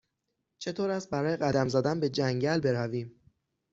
چطور است برای قدم زدن به جنگل برویم؟